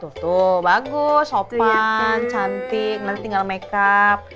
tuh bagus sopan cantik nanti tinggal makeup